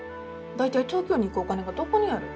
大体東京に行くお金がどこにある？